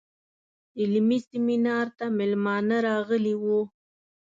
علمي سیمینار ته میلمانه راغلي وو.